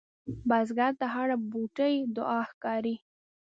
بزګر ته هره بوټۍ دعا ښکاري